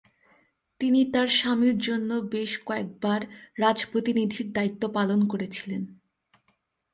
তিনি তার স্বামীর জন্য বেশ কয়েকবার রাজপ্রতিনিধির দায়িত্ব পালন করেছিলেন।